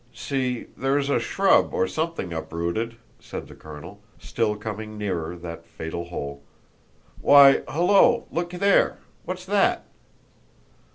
"See, there is a shrub or something uprooted," said the colonel, still coming nearer that fatal hole. "Why, hullo, look there! What's that?"